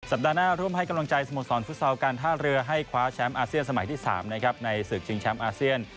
หน้าร่วมให้กำลังใจสโมสรฟุตซอลการท่าเรือให้คว้าแชมป์อาเซียนสมัยที่๓นะครับในศึกชิงแชมป์อาเซียน